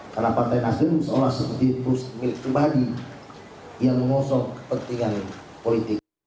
karena partai nasdem seolah olah seperti perusahaan milik kebadi yang mengosong kepentingan politik